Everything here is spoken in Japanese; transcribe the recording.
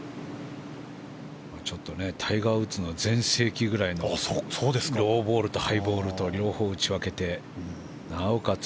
タイガー・ウッズの全盛期ぐらいのローボールとハイボールと両方打ち分けてなおかつ